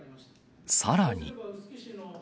さらに。